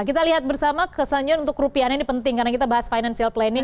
kita lihat bersama kesannya untuk rupiahnya ini penting karena kita bahas financial planning